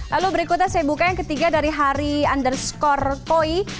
lalu berikutnya saya buka yang ketiga dari hari underscore poi